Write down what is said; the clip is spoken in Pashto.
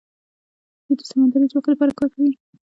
دوی د سمندري ځواک لپاره کار کوي.